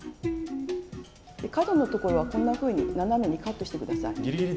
角のところはこんなふうに斜めにカットして下さい。